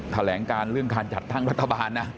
แถลงการเรื่องการจัดตั้งรัฐบาลนะ